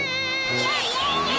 イエイイエイ！